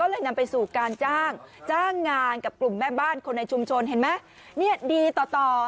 เลยนำไปสู่การจ้างจ้างงานกับกลุ่มแม่บ้านคนในชุมชนเห็นไหมเนี่ยดีต่อต่อ